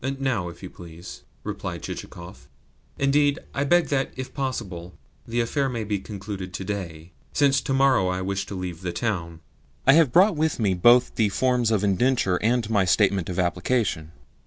"Now, if you please," replied Chichikov. "Indeed, I beg that, if possible, the affair may be concluded to day, since to morrow I wish to leave the town. I have brought with me both the forms of indenture and my statement of application."